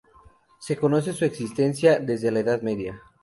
Se conoce su existencia desde la Edad Media.